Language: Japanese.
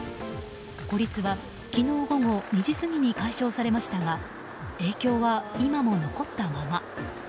孤立は昨日午後２時過ぎに解消されましたが影響は今も残ったまま。